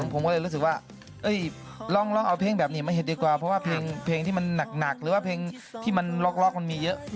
ผมก็เลยรู้สึกว่าลองเอาเพลงแบบนี้มาเห็นดีกว่าเพราะว่าเพลงที่มันหนักหรือว่าเพลงที่มันล็อกมันมีเยอะ